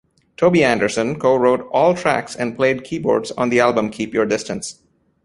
Toby Anderson co-wrote all tracks and played keyboards on the album "Keep Your Distance".